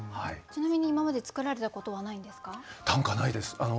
ちなみに今まで作られたことはないんですか？短歌ないです。